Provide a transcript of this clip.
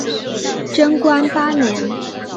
贞观八年。